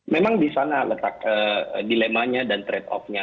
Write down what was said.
memang di sana letak dilemanya dan trade off nya